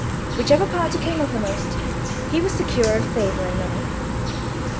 Whichever party came uppermost, he was secure of favour and money.